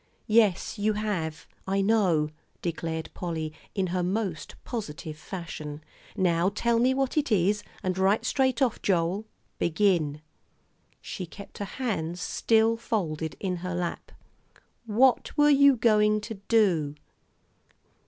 "Yes, you have, I know," declared Polly, in her most positive fashion; "now tell me what it is, and right straight off, Joel. Begin." She kept her hands still folded in her lap. "What were you going to do?"